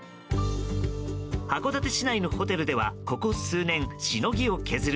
函館市内のホテルではここ数年しのぎを削る